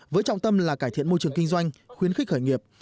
với trọng tâm là cải thiện môi trường kinh doanh khuyến khích khởi nghiệp